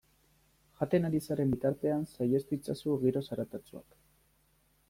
Jaten ari zaren bitartean saihestu itzazu giro zaratatsuak.